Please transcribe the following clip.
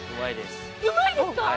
うまいですか。